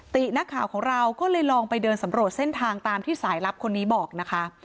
ตินักข่าวของเราก็เลยลองไปเดินสำรวจเส้นทางตามที่สายลับคนนี้บอกนะคะ